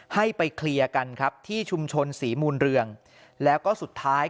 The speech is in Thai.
ให้ไปเคลียร์กันครับที่ชุมชนศรีมูลเรืองแล้วก็สุดท้าย